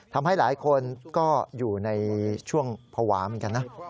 ทำให้หลายคนก็อยู่ในช่วงภาวะเหมือนกันนะ